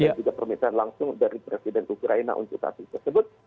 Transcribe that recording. juga permintaan langsung dari presiden ukraina untuk kasus tersebut